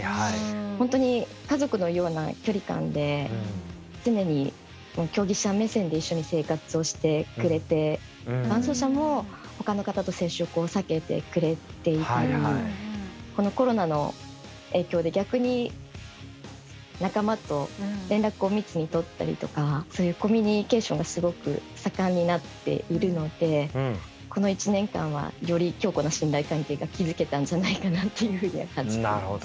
本当に家族のような距離感で常に競技者目線で一緒に生活をしてくれて伴走者もほかの方と接触を避けてくれていたりこのコロナの影響で逆に仲間と連絡を密に取ったりとかそういうコミュニケーションがすごく盛んになっているのでこの１年間はより強固な信頼関係が築けたんじゃないかなっていうふうには感じています。